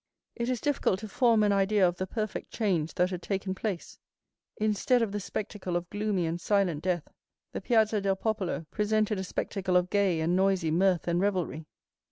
It is difficult to form an idea of the perfect change that had taken place. Instead of the spectacle of gloomy and silent death, the Piazza del Popolo presented a spectacle of gay and noisy mirth and revelry.